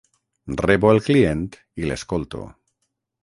Rebo el client i l'escolto.